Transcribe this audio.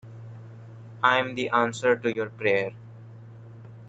I'm the answer to your prayer.